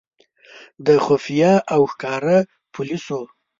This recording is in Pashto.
د خفیه او ښکاره پولیسو.